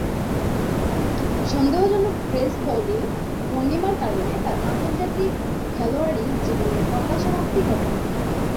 সন্দেহজনক pace bowling ভঙ্গীমার কারণে তার আন্তর্জাতিক খেলোয়াড়ী জীবনের অকাল সমাপ্তি ঘটে।